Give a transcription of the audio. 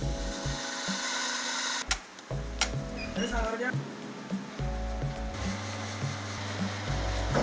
cukup mendapat sewaru siap mingguan sekali mungkin